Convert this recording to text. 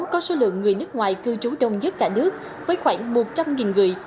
có số lượng người nước ngoài cư trú đông nhất cả nước với khoảng một trăm linh người